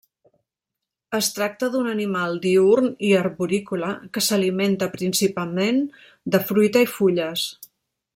Es tracta d'un animal diürn i arborícola que s'alimenta principalment de fruita i fulles.